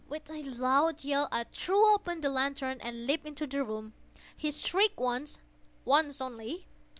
With a loud yell, I threw open the lantern and leaped into the room. He shrieked once—once only.